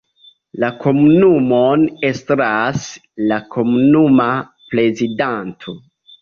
La komunumon estras la komunuma prezidanto.